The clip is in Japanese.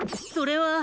それは。